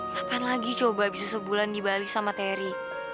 kapan lagi coba abis sebulan di bali sama teri